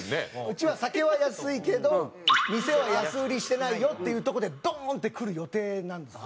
「うちは酒は安いけど店は安売りしてないよ」っていうとこでドン！ってくる予定なんですよ。